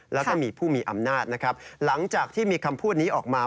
แล้วก็มีผู้มีอำนาจนะครับหลังจากที่มีคำพูดนี้ออกมา